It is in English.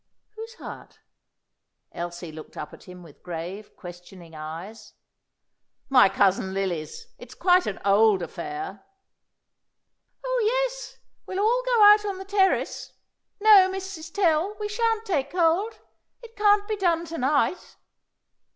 "Whose heart?" Elsie looked up at him with grave, questioning eyes. "My cousin Lily's. It's quite an old affair." "Oh, yes, we'll all go out on the terrace. No, Mrs. Tell, we shan't take cold. It can't be done to night."